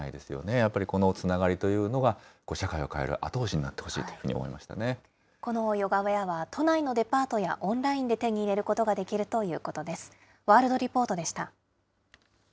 やっぱりこのつながりというのが、社会を変える後押しになってほしこのヨガウエアは都内のデパートや、オンラインで手に入れることができるということです。